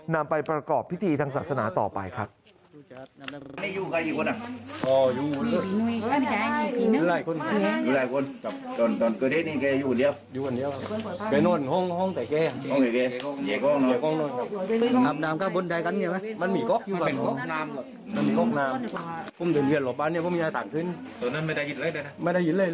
นำไปประกอบพิธีทางศาสนาต่อไปครับ